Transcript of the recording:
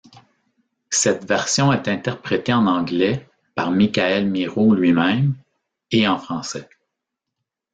Cette version est interprétée en anglais par Mickaël Miro lui-même, et en français.